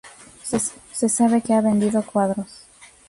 Se sabe que ha vendido cuadros.